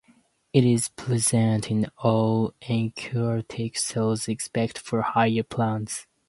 It is present in all eukaryotic cells except for higher plants.